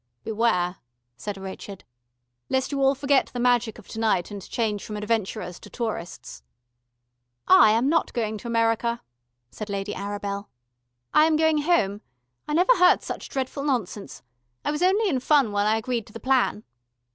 "Beware," said Richard, "lest you all forget the magic of to night, and change from adventurers to tourists." "I am not going to America," said Lady Arabel. "I am going home. I never heard such dretful nonsense. I was only in fun when I agreed to the plan."